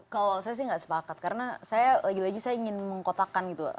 kalau saya sih nggak sepakat karena saya lagi lagi saya ingin mengkotakan gitu